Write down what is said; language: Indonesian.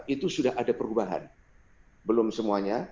itu sudah ada perubahan belum semuanya